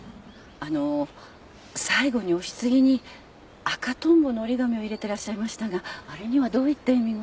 あの最後にお棺に赤トンボの折り紙を入れてらっしゃいましたがあれにはどういった意味が？